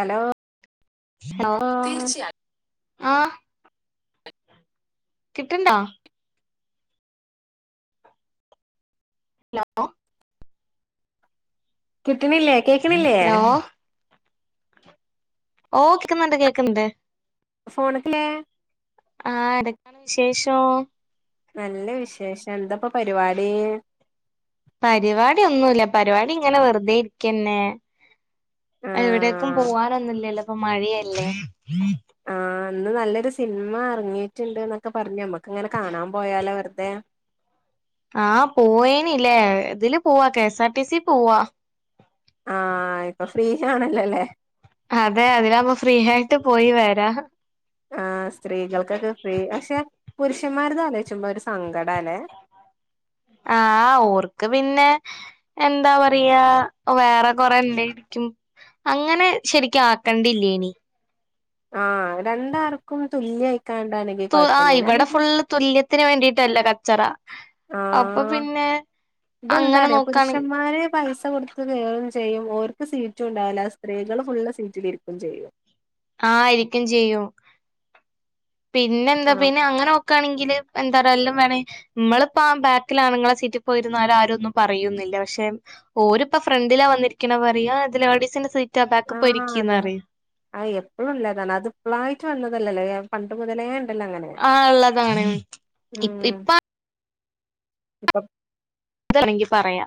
hello ഹലോആഹ് കിട്ടണ്ടോ hello കിട്ടണില്ലേ കേക്കണില്ലേ ഹലോ ഓഹ് കേക്കുന്നുണ്ട് കേക്കുന്നുണ്ട് ഫോണിക്കല്ല ആഹ് [unintelligible] വിശേഷം നല്ല വിശേഷം എന്താപ്പ പരിപാടി പരിപാടി ഒന്നുല്ല പരിപാടി ഇങ്ങനെ വെറുതെ ഇരിക്കന്നെ എവിടേക്കും ആഹ് പോവാനൊന്നുല്ലല്ലോ ഇപ്പൊ മഴയല്ലേ ആഹ ഇന്ന് നല്ലൊരു സിനിമ ഇറങ്ങിട്ടുണ്ടെന്ന് പറഞ്ഞു നമ്മക്ക് ഇങ്ങനെ കാണാൻ പോയാലോ വെറുതെ ആഹാ പോയേനില്ലേ ഇതില് പോവാ കെഎസ് ആർ ടി സി പോവാ ആഹാ ഇപ്പൊ ഫ്രീ ആണല്ലോല്ലേ അതെ അതിലവുമ്പോ ഫ്രീ ആയിട്ട് പോയി വരാം ആ സ്ത്രീകൾക്കൊക്കെ ഫ്രീ പക്ഷെ പുരുഷന്മാരത്ആലോയ്ച്ചപ്പോ ഒരു സങ്കട ല്ലേ ആഹ ഓർക്ക് പിന്നെ എന്താ പറയാ വേറെ കുറെ ഉണ്ടായിരിക്കും അങ്ങനെ ശരിക്ക് ആക്കണ്ടിലേയി നി ആരണ്ടാൾക്കും തുല്യയിക്കാണ്ടാണ് തു ആ ഇവിടെ ഫുള്ള് തുല്യത്തിന് വേണ്ടിട്ടല്ലെ കച്ചറ അപ്പൊ ആഹ് പിന്നെ ഇതെന്താ അങ്ങനെ അറിയോ നോക്കാണെ [unintelligible] പൈസ കൊടുത്ത് കേറും ചെയ്യും ഓര്ക്ക് സീറ്റും ഉണ്ടാവുല സ്ത്രീകള് ഫുള്ള് സീറ്റ് ലിരിക്കും ചെയ്യും ആ ഇരിക്കും ചെയ്യും പിന്നെ എന്താ ആഹ് പിന്നെ അങ്ങനെ നോ നോക്കണെങ്കിൽ എന്തറയ എല്ലാം വേണ് നമ്മളിപ്പോ ആ ബാക്കില് ആണുങ്ങളെ സീറ്റിൽ പോയിരുന്നാലും ആരും ഒന്നും പറയുന്നില്ല പക്ഷെ ഓരിപ്പ ഫ്രണ്ടിലാ വന്നിരിക്കണ പറയാ ഇതിൽ ലെഡിസിൻ്റെ സീറ്റ് ബാക്ക് ആഹ് പോയിരിക്കന്ന് അതെ അറിയും [unintelligible] ആള്ളതാണ് ഇതിപ്പോ [unintelligible] [unintelligible] കിട്ടാണങ്കി പറയ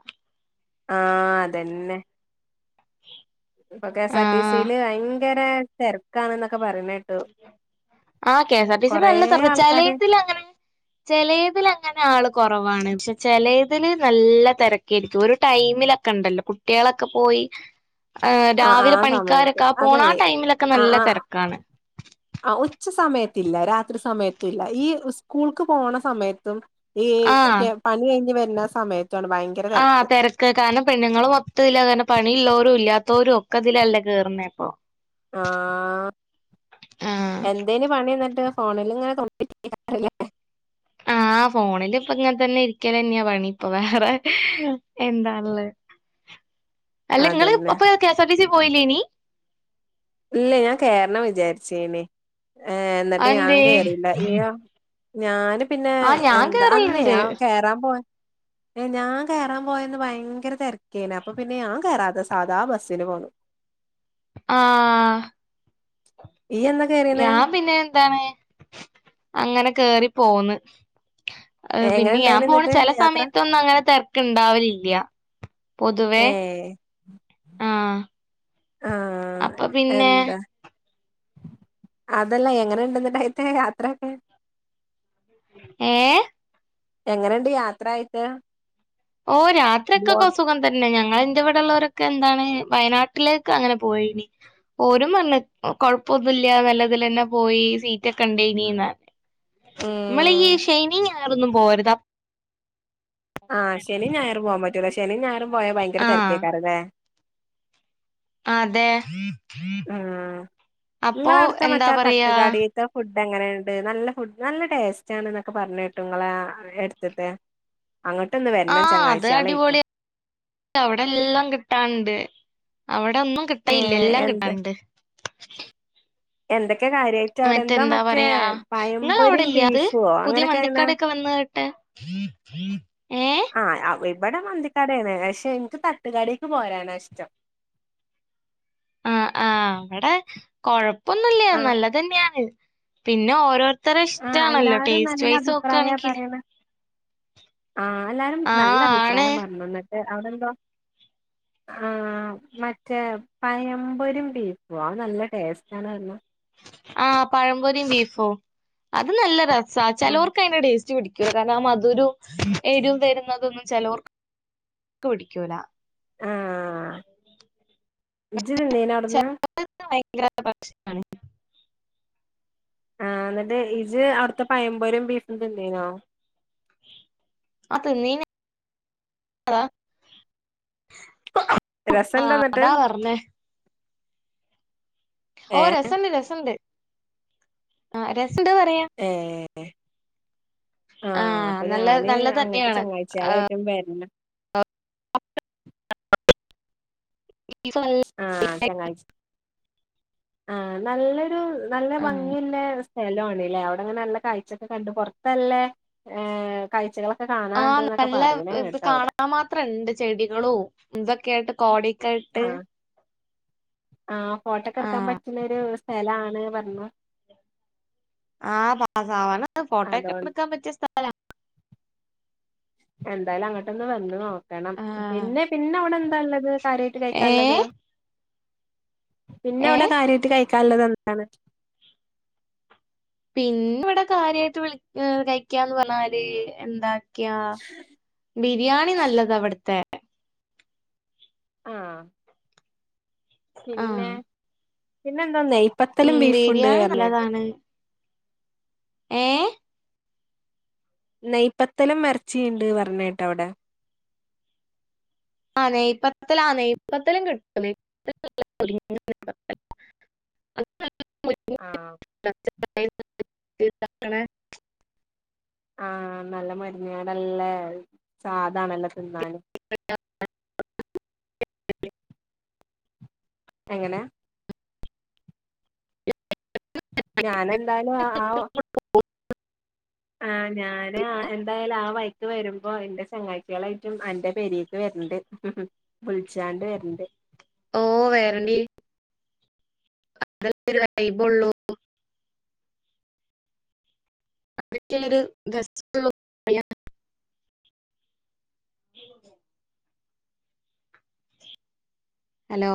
ആ അതന്നെ ഇപ്പൊ ആഹ് കെഎസ്ആർടിസിയിൽ ഭയങ്കര തിരക്കാണ് എന്നൊക്കെ പറയുന്നേട്ട് ആ 'കെസ് ആർ ടി സി ല് നല്ല തെരക്കാ ആൾക്കാര് ചെലയിതില് അങ്ങ ചെലെത്തില് അങ്ങനെ ആള് കുറവാണ് പക്ഷെ ചെലെത്തില് നല്ല തിരക്കായിരിക്കും ഒരു ടൈമിലൊക്കെ ഉണ്ടല്ലോ കുട്ടിയോളെക്കെ പോയി [unintelligible] ആഹ് രാവിലെ ആഹ് സമയത്ത് പണിക്കാരൊക്കെ ആ പോണ അതെ ആ ടൈമിലൊക്കെ ആഹ് നല്ല ആഹ് തിരക്കാണ് ആ ഉച്ച സമയത്തില്ലേ രാത്രി സമയത്തുമില്ല ഈ സ്കൂൾക്ക് പോണ സമയത്തും ഈ ആഹ് പണി കഴിഞ്ഞ് വരുന്ന സമയത്താണ് ദയങ്ക ആ ത രക്ക് കാരണം പെണ്ണുങ്ങള്മൊത്തതില് കേർണ് കാരണം പണി ഇുള്ളവരും ഇല്ലാത്തോരും ഒക്കെ ഇതില അല്ലേ ക കേറുന്നേ ഇപ്പൊ ആ എന്തേന് പണി എന്നിട്ട് ഫോണില് ഇങ്ങനെ തോണ്ടി ഇരിക്കാനല്ലേ ആ ഫോണിൽ ഇപ്പൊ ഇങ്ങനെ തന്നെ ഇരിക്കൽ തന്നെയാ പണി ഇപ്പൊ വേറെ എന്താ ള്ളത് [unintelligible] അല്ല ഇങ്ങള് അതന്നെ K S R T C യിൽ പോയി ലായിനി ഇല്ല ഞാൻ കേറണം വിചാരിച്ചേനി ഏ എന്നിട്ട് ഞാൻ അതെന്തേ കേയറിയില്ല നീയോ ഞാന് പിന്നെ ആഹ് ഞാൻ എന്താ അന്നേ കേറല്ണ്ട് ആ കേറാൻ പോവാ ഞാൻ കേറാൻ പോയന്ന് ഭയങ്കരതെരക്കേ നി അപ്പോ ഞാൻ കേറാതെ സാധാ ബസ്സിന് പോന്നു ആഹ് ഈയെന്ന ഞാൻ പിന്നെന്താണ് അങ്ങനെ കേറി പോന്ന് ഏഹ് എങ്ങനെ പിന്നെ ഞാൻ ഇണ്ടായിന് പോണ എന്നിട്ട് ചെല യാത്ര സമയത്തൊന്നുങ്ങനെ തെരക്ക്ണ്ടാവല്ല്ല്യാ പൊതുവേ ഏഹ് ആഹ് ആഹ് അപ്പൊ പിന്നെ എന്താ അതല്ല എങ്ങന്ണ്ട്ന്നയ്ത്തെ യാത്രയക്കെ ഏഹ് എങ്ങന്ണ്ട് യാത്രായ്ട്ട് ഓഹ് യാത്രക്കെകൊ സുഖം തന്നെ ഞങ്ങളെന്റെവ്ടെള്ളവരൊക്കെ എന്താണ് വയനാട്ടിലേക്ക് അങ്ങനെ പോയിനി ഓരും പർഞ്ഞ് ഉം കൊഴപ്പൊന്ന്യുല്ലാ നല്ലതിലന്നെ പോയി സീറ്റക്കെണ്ടെയ്നീന്ന് മ്മ്ളീ ശെനിയ് ഞാറ്ന്നും പോവരുതപ്പ് ആഹ് ശെനിം ഞായറും പോവാപറ്റൂല ശെനിം ഞായറും പോയാ ഭയ്ങ്കര ആഹ് തെരക്കെറ്ക്കുംല്ലേ അതെ ഉം അപ്പൊ എന്താ പറയാ ത്താ ഫുഡെങ്ങനെയ്ണ്ട് നല്ല ഫുഡ് നല്ല ടേസ്റ്റാണ്ന്നൊക്കെ പറഞ്ഞ് കേട്ടു ങ്ങ്ളെ എട്ത്തത്തെ അങ്ങൊട്ട്ന്ന് വരണം ചങ്ങായ്ച്യാളായ്ട്ട് ല്ലാവ്ടെല്ലാം കിട്ടാന്ണ്ട് അവിടെ ഒന്നും കിട്ടല്ല്ല ഏഹ് എല്ലാം എന്ത് കിട്ടാന്ണ്ട് എന്തൊക്കെയാ കാര്യായ് മറ്റെന്താ പറയാ നിങ്ങളവ്ടെല്യേത് ബീഫോ പുതിയ അങ്ങനൊക്കെണ് മന്തിക്കടെക്കെ വന്ന് കേട്ടെ ഏഹ് ആഹ് അവ് ഇവടെ മന്തിക്കടയാണ് അഷേ എന്ക്ക് തട്ടുകടേക്ക് പോരാനാഷ്ട്ടം ആഹ് ആഹ് വ്ടെ കൊഴപ്പൊന്ന്ല്ല ആഹ് നല്ലതെന്നെയാണ് പിന്നെ ഓരോര് ആഹ് ത്രഷ്ടാണല്ലോ എല്ലാരും ടേസ്റ്റ് നല്ല വൈസ് അഭിപ്രായ നോക്ക്വാണെങ്കിൽ പറയണെ ആഹ് ല്ലാരും നല്ല ആണ് അഭിപ്രായം പറഞ്ഞുന്ന്ട്ട് അവ്ടെന്തോ ആഹ് മറ്റേ പയംപൊരിം ബീഫ്വോ അത് നല്ല ടേസ്റ്റാന്നർഞ്ഞ ആഹ് പഴംപൊരിം ബീഫും അത് നല്ല രസാ ആഹ് ചെലവർക്ക്യ്ന്റെ ടേസ്റ്റ് പിട് ക്യുതാന്നാമധുരോം എരും വരുന്നതൊന്നും ചെലോവർക്ക് ക്ക്പിട്ക്കൂല ആഹ് ഇജ്ജ് തിന്നീനവ്ട്ന്ന് [unintelligible] ഭയങ്കരായ് ഭക്ഷണാണ് ആഹ് എന്ന്ട്ട് ഇജ്ജ് അവ്ട്ത്തെ പയമ്പൊരിം ബീഫും തിന്നീനോ ആഹ് തിന്നീന് അഹ് രസണ്ടോ ആഹ് എന്നിട്ട് അതാ പർഞ്ഞെ ഓഹ് ഏഹ് രസൊണ്ട് രസൊണ്ട് ആഹ് രസൊണ്ട്ന്ന് പറയാ ഏഹ് എഹ് ആഹ് അപ്പൊ നല്ല ഞാന് നല്ലത് അങ്ങട്ട് തന്നെയാണ് ചങ്ങായ്ച്ച്കളായ്ട്ടും വെര്ണം ഇ [unintelligible] ആഹ് ചങ്ങായ്ച്ച് ആഹ് നല്ലൊരു നല്ല ആഹ് ഭംഗിയ്ല്ലേ സ് സ്ഥലാണ്ല്ലേ അവിട്ങ്ങനെ നല്ല കാഴ്ച്ചക്കെ കണ്ട് പൊറത്ത്നല്ലേ ഏഹ് കാഴ്ചകളക്ക് ആഹ് നല്ല ഇത് കാണാമാത് ഫ്രണ്ട് ചെടികളു ന്തൊക്കെയായ്ട്ട് കോടെക്കെയ്ട്ട് ആഹ് ആഹ് ഫോട്ടോക്കെട്ക്കാൻ ആഹ് പറ്റ്ന്നൊര് സ്ഥലാണ് പർഞ്ഞു ആഹ് [unintelligible] ഫോട്ടക്കെട്ക്കാൻ പറ്റിയ സ്ഥല എന്തായാലും അങ്ങാട്ടൊന്ന് വര്ണോ രണം ആഹ് പിന്നെ പിന്നെ അവിടെന്താള്ളത് കാര്യയ്ട്ട് കയ്ക്കാള്ള്ത് ഏഹ് പിന്നെവ്ടെ ഏഹ് കാര്യയ്ട്ട് കയ്ക്കാള്ള്ത് ന്താണ് പിന്ന്വ്ടെ കാര്യയ്ട്ട് വിള് എഹ് കഴിക്കാന്ന് പറഞ്ഞാല് എന്താക്ക്യ ബിരിയാണി നല്ലതാവ്ട്ത്തെ ആഹ് ആഹ് പിന്നെ പിന്നെ എന്താ നെയ്പ്പത്തലും ഉം ബീഫുണ്ട് ബിരിയാണി അർണേട്ട് നല്ലതാണ് ഏഹ് നെയ്പത്തലും എർച്ചീണ്ട് പർണേട്ട്അവടെ ആഹ് നെയ്പ്പത്തലാ ആഹ് നെയ്പ്പത്തലും കിട്ടും [unintelligible] ആഹ് [unintelligible] ആഹ് നല്ല മര്ന്നേളല്ലേ അത് ചാദാണല്ലൊ തിന്നാന് [inaudible] എങ്ങനെ ഞാനെന്തായാലും അ ആഹ് ആഹ് ഞാന് ആഹ് എന്തായാലും ആ വഴിക്ക് വെരുമ്പാെ ഇന്റെ ചെങ്ങായ്ച്ചിയേളേറ്റും അന്റെ പെരീക്ക് വെര്ണ്ട് ഉം ഉം വിൾച്ച്കാണ്ട് വെര്ണ്ട് ഓഹ് വെരണ്ടീ അതല്ലേ ഒര് വൈബൊള്ളൂ അപ്പഴേക്കൊരു ഗസ്റ്റ് വന്നുപോയി ഹലോ